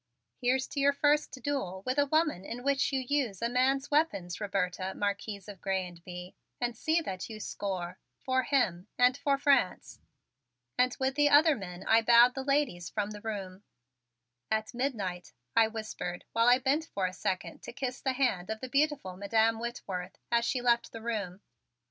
"Here's to your first duel with a woman in which you use a man's weapons, Roberta, Marquise of Grez and Bye, and see that you score for him and for France!" I said to myself as we rose from the table and with the other men I bowed the ladies from the room. "At midnight," I whispered while I bent for a second to kiss the hand of the beautiful Madam Whitworth as she left the room.